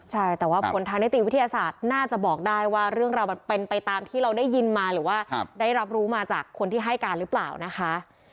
ใช่แต่ว่าผลทางนิติวิทยาศาสตร์น่าจะบอกได้ว่าเรื่องราวมันเป็นไปตามที่เราได้ยินมาหรือว่าได้รับรู้มาจากคนที่ให้การหรือเปล่านะคะ